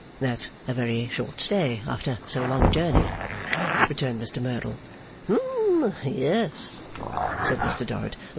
'That's a very short stay, after so long a journey,' returned Mr Merdle. 'Hum. Yes,' said Mr Dorrit.